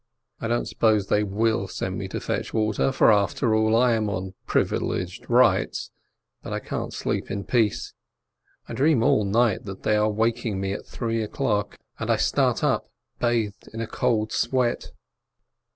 I don't suppose they will send me to fetch water, for, after all, I am on "privileged rights," but I can't sleep in peace: I dream all night that they are waking me at three o'clock, and I start up bathed in a cold sweat.